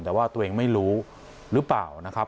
แต่ว่าตัวเองไม่รู้หรือเปล่านะครับ